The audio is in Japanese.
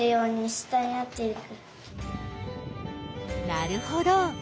なるほど。